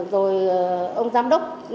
rồi ông giám đốc